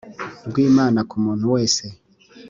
rw imana ku muntu wese